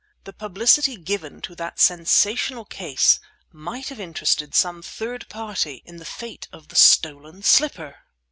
The publicity given to that sensational case might have interested some third party in the fate of the stolen slipper!